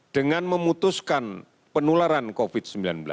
dengan memutuskan penularan covid sembilan belas